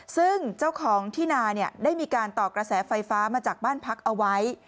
ซึ่งเจ้าของที่นาได้มีการต่อกระแสไฟฟ้ามาจากบ้านพักเอาไว้